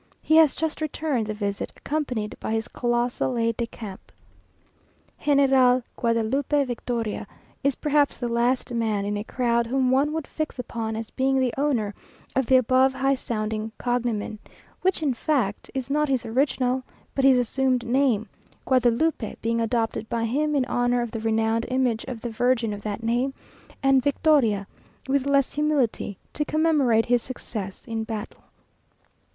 He has just returned the visit, accompanied by his colossal aide de camp. General Guadalupe Victoria is perhaps the last man in a crowd whom one would fix upon as being the owner of the above high sounding cognomen, which in fact is not his original, but his assumed name, Guadalupe being adopted by him in honour of the renowned image of the virgin of that name, and Victoria with less humility to commemorate his success in battle.